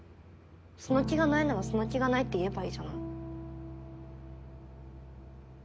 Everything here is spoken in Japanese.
その気がないならその気がないって言えばいいじゃない。